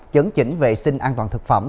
chấn chỉnh vệ sinh an toàn thực phẩm